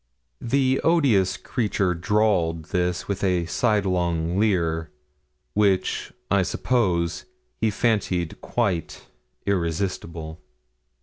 The odious creature drawled this with a sidelong leer, which, I suppose, he fancied quite irresistible.